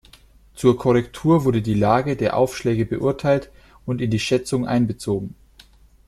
Zur Korrektur wurde die Lage der Aufschläge beurteilt und in die Schätzung einbezogen.